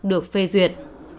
được phê duyệt